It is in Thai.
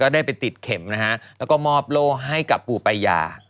ก็ได้ไปติดเข็มแล้วก็มอบโลให้กับบุปัญญา